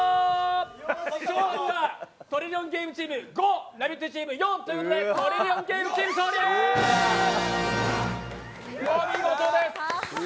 「トリリオンゲーム」チーム５、「ラヴィット！」チーム４ということで「トリリオンゲーム」チーム勝利です！